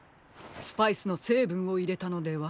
スパイスのせいぶんをいれたのでは？